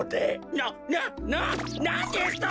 ななななんですと？